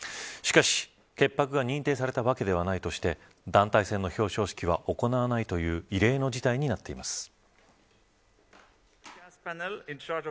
しかし、潔白が認定されたわけではないとして団体戦の表彰式は行わないという異例の事態になっています。